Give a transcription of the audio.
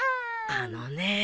あのねえ。